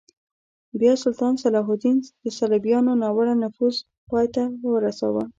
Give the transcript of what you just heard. بیا سلطان صلاح الدین د صلیبیانو ناوړه نفوذ پای ته ورساوه.